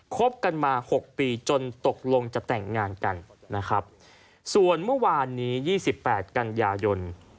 คบกันมาหกปีจนตกลงจะแต่งงานกันนะครับส่วนเมื่อวานนี้๒๘กันยายน